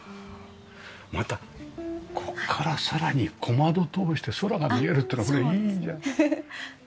またここからさらに小窓を通して空まで見えるっていうのこれいいじゃない。